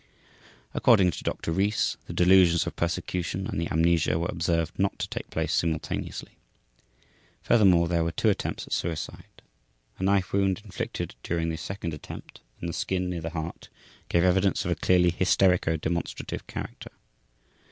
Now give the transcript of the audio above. According to Doctor Rees, the delusions of persecution and the amnesia were observed not to take place simultaneously. Furthermore, there were two attempts at suicide. A knife wound, inflicted during the second attempt, in the skin near the heart gave evidence of a clearly hysterico demonstrative character.